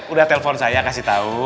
udah telpon saya kasih tahu